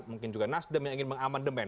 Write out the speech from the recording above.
mungkin juga nasdem yang ingin mengaman demen